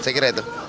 saya kira itu